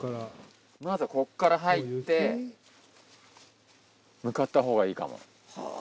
まずはここから入って向かったほうがいいかも。